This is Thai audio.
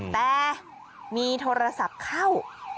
แต่มีโทรศัพท์เข้า